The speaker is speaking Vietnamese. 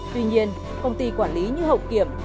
tuy nhiên công ty quản lý như hậu kiểm